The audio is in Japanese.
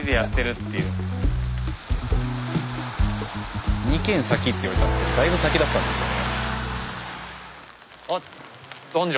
スタジオ２軒先って言われたんですけどだいぶ先だったんですよね。